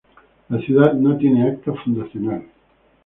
La ciudad no tiene acta fundacional.